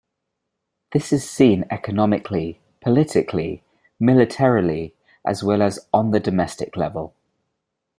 This is seen economically, politically, militarily, as well as on the domestic level.